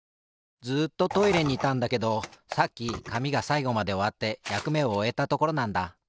ずっとトイレにいたんだけどさっきかみがさいごまでおわってやくめをおえたところなんだ。